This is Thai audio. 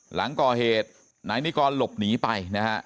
หลังก่อเหตุนายนิกรหลบหนีไปนะฮะ